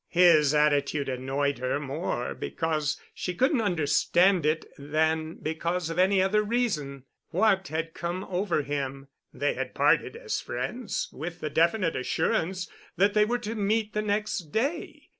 His attitude annoyed her more because she couldn't understand it than because of any other reason. What had come over him? They had parted as friends with the definite assurance that they were to meet the next day.